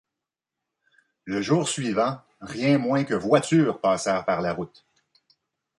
Le jour suivant, rien moins que voitures passèrent par la route.